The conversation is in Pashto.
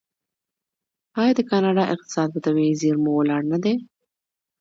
آیا د کاناډا اقتصاد په طبیعي زیرمو ولاړ نه دی؟